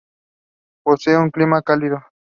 Posee un clima cálido.